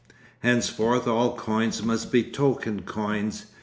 Henceforth all coins must be token coins.